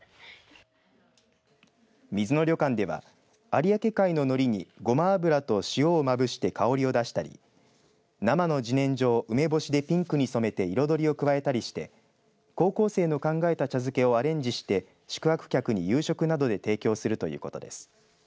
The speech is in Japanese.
水野旅館では有明海ののりにごま油と塩をまぶして香りを出したり生のじねんじょを梅干しでピンクに染めて彩りを加えたりして高校生の考えた茶漬けをアレンジして宿泊客に夕食などで提供するということです。